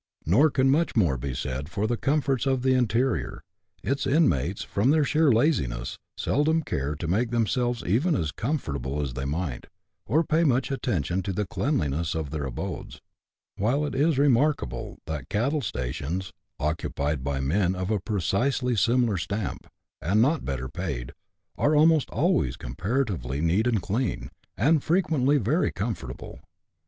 Nor can much more be said for the comforts of the interior ; its inmates, from sheer laziness, seldom care to make themselves even as comfortable as they might, or pay much attention to the cleanliness of their abodes ; while it is remarkable that cattle stations, occupied by men of a precisely similar stamp, and not better paid, are almost always comparatively neat and clean, and frequently very comfortable.